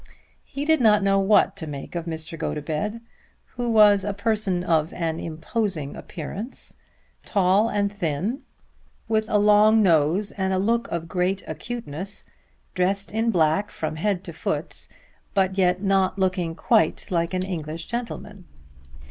He did not know what to make of Mr. Gotobed, who was a person of an imposing appearance, tall and thin, with a long nose and look of great acuteness, dressed in black from head to foot, but yet not looking quite like an English gentleman.